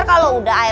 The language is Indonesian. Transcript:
kalau udah air